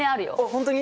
本当に？